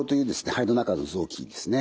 肺の中の臓器ですね